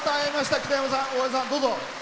北山さん、大江さん、どうぞ。